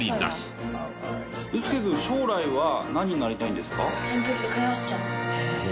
涼介くん将来は何になりたいんですか？